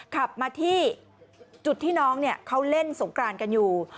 ขับมาที่จุดที่น้องเขาเล่นสงกรานกันอยู่